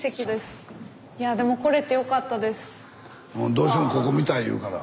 どうしてもここ見たい言うから。